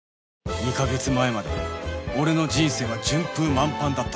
２カ月前まで俺の人生は順風満帆だった